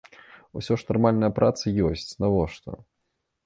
Усё ж нармальная праца ёсць, навошта.